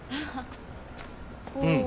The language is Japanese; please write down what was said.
うん。